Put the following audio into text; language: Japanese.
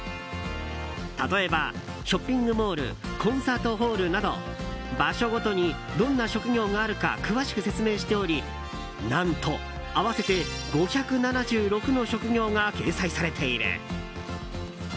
例えば、ショッピングモールコンサートホールなど場所ごとに、どんな職業があるか詳しく説明しており何と、合わせて５７６の職業が掲載されている。